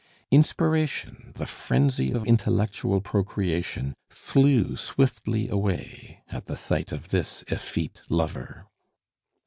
Inspiration, the frenzy of intellectual procreation, flew swiftly away at the sight of this effete lover.